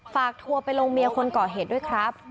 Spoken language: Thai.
ทัวร์ไปลงเมียคนก่อเหตุด้วยครับ